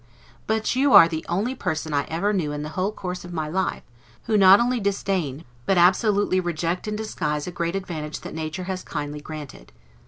But you are the only person I ever knew in the whole course of my life, who not only disdain, but absolutely reject and disguise a great advantage that nature has kindly granted.